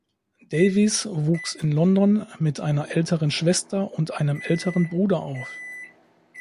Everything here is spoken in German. Davies wuchs in London mit einer älteren Schwester und einem älteren Bruder auf.